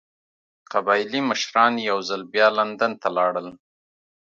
قبایلي مشران یو ځل بیا لندن ته لاړل.